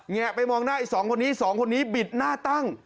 แงะไปมองหน้าไอ้๒คนนี้บิดหน้าตั้ง